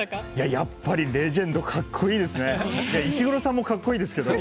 やっぱりレジェンドかっこいいですね。